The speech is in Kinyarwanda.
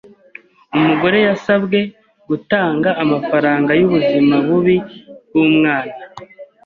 Umugore yasabwe gutanga amafaranga yubuzima bubi bwumwana.